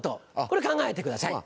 これ考えてください。